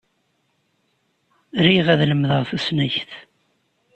Riɣ ad lemdeɣ tusnakt.